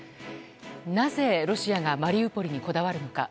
なぜ、ロシアがマリウポリにこだわるのか。